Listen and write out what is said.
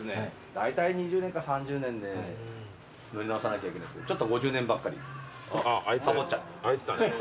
だいたい２０年か３０年で塗り直さなきゃいけないんですけどちょっと５０年ばっかりサボっちゃって。